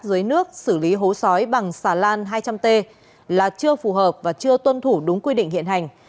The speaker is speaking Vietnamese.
dưới nước xử lý hố sói bằng xà lan hai trăm linh t là chưa phù hợp và chưa tuân thủ đúng quy định hiện hành